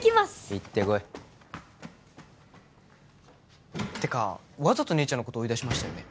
行ってこいてかわざと姉ちゃんのこと追い出しましたよね？